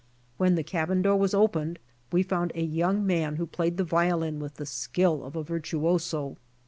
When the cabin door was opened we found a young man who played the violin with the skill of a virtuoso.